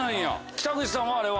北口さんあれは？